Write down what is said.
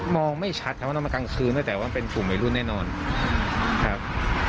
มองไม่ชัดแต่ว่ามากลางคืนด้วยแต่ว่าเป็นกลุ่มอีกรุ่นแน่นอนครับ